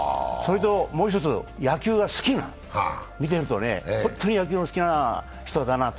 もう一つ、野球が好きなの、見てるとね、本当に野球の好きな人だなと。